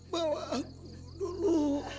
bawa aku dulu